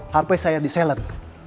hp saya di selen